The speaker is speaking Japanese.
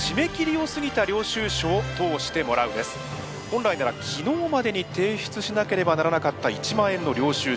今回の競技は本来なら昨日までに提出しなければならなかった１万円の領収書。